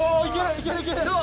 いける？